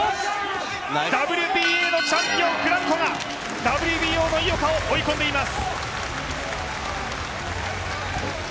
ＷＢＡのチャンピオンフランコがＷＢＯの井岡を追い込んでいます。